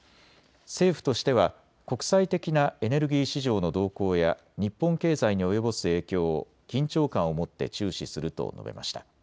政府としては国際的なエネルギー市場の動向や日本経済に及ぼす影響を緊張感を持って注視すると述べました。